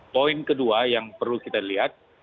poin kedua yang perlu kita lihat